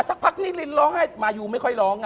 สักพักที่ลินร้องไห้มายูไม่ค่อยร้อง